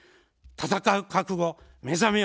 戦う覚悟、目覚めよ